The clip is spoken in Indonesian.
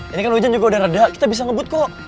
ini kan hujan juga udah reda kita bisa ngebut kok